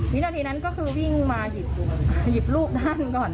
วินาทีนั้นก็คือวิ่งมาหยิบลูกนั่งก่อน